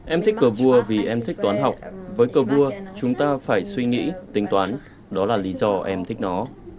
em thích cờ vua vì em thích toán học với cờ vua chúng ta phải suy nghĩ tính toán đó là lý do em thích nó